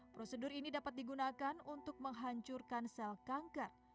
prosedur ini dapat digunakan untuk menghancurkan sel kanker